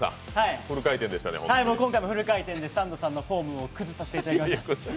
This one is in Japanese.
今回もフル回転でサンドさんのフォームを崩させていただきました。